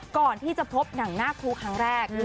ก่อนที่จะพบหนังหน้าครูครั้งแรก